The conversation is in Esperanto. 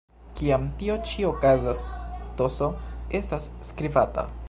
Kiam tio ĉi okazas, "ts" estas skribata.